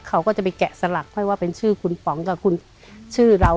เขาก็จะไปแกะสลักค่อยว่าเป็นชื่อคุณป๋องกับคุณชื่อเรา